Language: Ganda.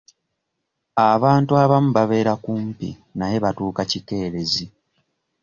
Abantu abamu babeera kumpi naye batuuka kikeerezi.